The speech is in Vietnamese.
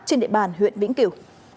trên địa bàn huyện vĩnh kiểu